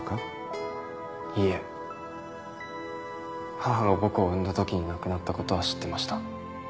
母が僕を産んだときに亡くなったことは知ってました。